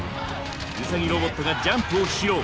ウサギロボットがジャンプを披露。